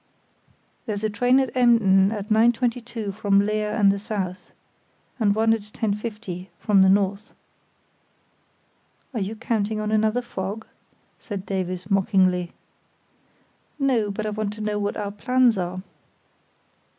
"There's a train at Emden at 9.22 from Leer and the south, and one at 10.50 from the north." "Are you counting on another fog?" said Davies, mockingly. "No; but I want to know what our plans are."